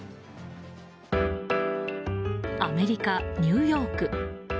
アメリカ・ニューヨーク。